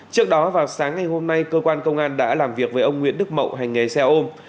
trước đó vào sáng ngày hôm nay cơ quan công an đã làm việc với ông nguyễn đức mậu hành nghề xe ôm